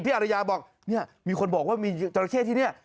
อารยาบอกเนี่ยมีคนบอกว่ามีจราเข้ที่นี่